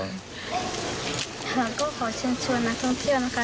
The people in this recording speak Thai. เราก็ขอเชิญชวนนักท่องเที่ยวนะคะ